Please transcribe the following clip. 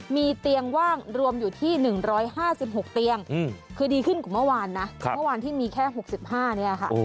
มีเตียงว่างรวมอยู่ที่๑๕๖เตียงคือดีขึ้นกว่าเมื่อวานนะเมื่อวานที่มีแค่๖๕เนี่ยค่ะ